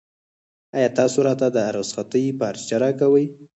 ایا تاسو راته د رخصتۍ پارچه راکوئ؟